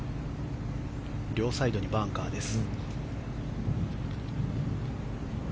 両サイドにバンカーです。